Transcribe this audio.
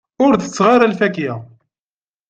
Ur tetteɣ ara lfakya.